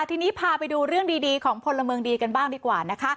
ทีนี้พาไปดูเรื่องดีของพลเมืองดีกันบ้างดีกว่านะคะ